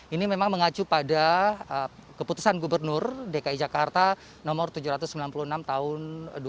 ini memang mengacu pada keputusan gubernur dki jakarta nomor tujuh ratus sembilan puluh enam tahun dua ribu dua